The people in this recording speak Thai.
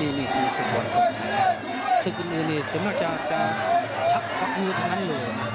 นี่มีสิ่งหวังสุดท้ายหมายถึงว่าจะชับกับนิวทางเหลือ